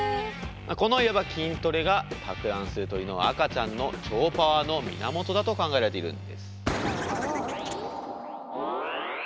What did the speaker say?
このいわば筋トレが托卵する鳥の赤ちゃんの超パワーの源だと考えられているんです。